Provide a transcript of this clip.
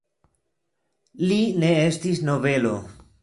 Li ne estis nobelo.